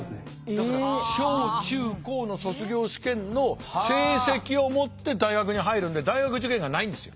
だから小中高の卒業試験の成績を持って大学に入るんで大学受験がないんですよ。